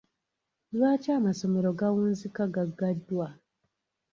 Lwaki amasomero gawunzika gaggaddwa?